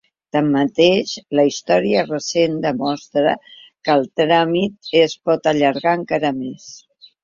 Tanmateix, la història recent demostra que el tràmit es pot allargar encara més.